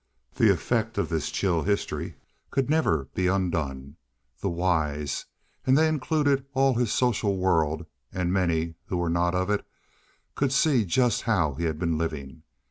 The effect of this chill history could never be undone. The wise—and they included all his social world and many who were not of it—could see just how he had been living.